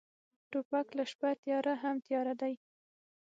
توپک له شپه تیاره هم تیاره دی.